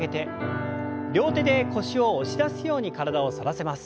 両手で腰を押し出すように体を反らせます。